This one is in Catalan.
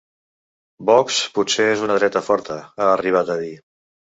Vox potser és una dreta forta, ha arribat a dir.